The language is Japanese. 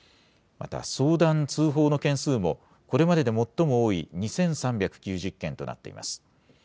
また相談、通報の件数もこれまでで最も多い２３９０件となっています。